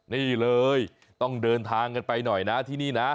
นี่เลยต้องเดินทางกันไปหน่อยนะที่นี่นะ